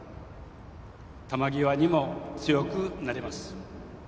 球際にも強くなります。